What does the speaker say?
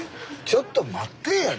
ちょっと待ってぇや。